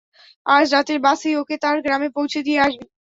আজ রাতের বাসেই ওকে তার গ্রামে পৌছে দিয়ে আসবি।